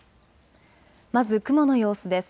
まず雲の様子です。